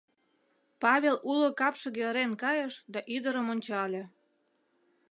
Павел уло капшыге ырен кайыш да ӱдырым ончале.